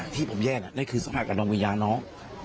ที่ผมแย่นนี่คือสัมผัสกับดวงวิญญาณน้อง